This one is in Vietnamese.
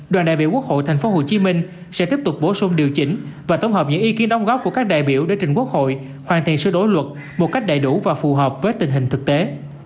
đoàn đại biểu quốc hội tp hcm sẽ tiếp tục bổ sung điều chỉnh và tổng hợp những ý kiến đóng góp của các đại biểu để trình quốc hội hoàn thiện sửa đổi luật một cách đầy đủ và phù hợp với tình hình thực tế